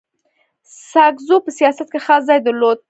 ساکزو په سیاست کي خاص ځای درلود.